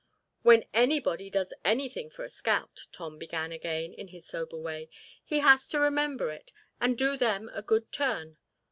"When anybody does anything for a scout," Tom began again in his sober way, "he has to remember it and do them a good turn.